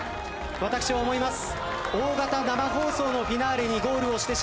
私思います。